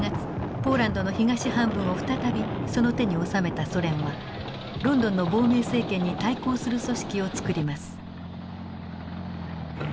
ポーランドの東半分を再びその手に収めたソ連はロンドンの亡命政権に対抗する組織を作ります。